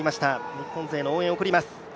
日本勢に声援を送ります。